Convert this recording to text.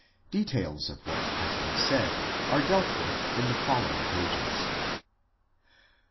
Details of what has been said are dealt with in the following pages. IV.